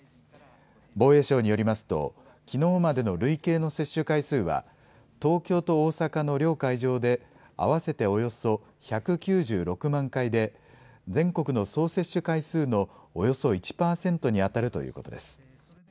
防衛省によりますと、きのうまでの累計の接種回数は、東京と大阪の両会場で合わせておよそ１９６万回で、全国の総接種回数のおよそ１％に当たるということです。